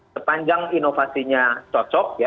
sepanjang inovasinya cocok ya